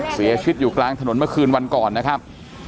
เสียชีวิตอยู่กลางถนนเมื่อคืนวันก่อนนะครับ